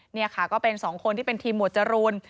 นี่ค่ะก็เป็นสองคนที่เป็นทีมหมวดจรูน